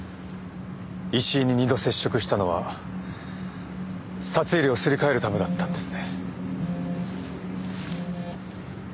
石井に二度接触したのは札入れをすり替えるためだったんですね。